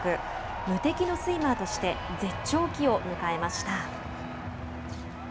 無敵のスイマーとして絶頂期を迎えました。